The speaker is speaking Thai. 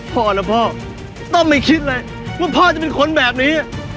ล่ะพ่อต้องไม่คิดเลยว่าพ่อจะเป็นคนแบบนี้